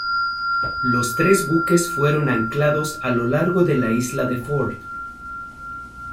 Los tres buques fueron anclados a lo largo de la isla de Ford.